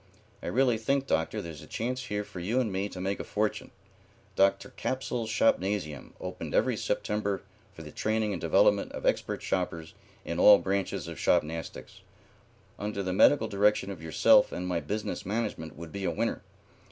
I really think, Doctor, there's a chance here for you and me to make a fortune. Dr. Capsule's Shopnasium, opened every September for the training and development of expert shoppers in all branches of shopnastics, under the medical direction of yourself and my business management would be a winner.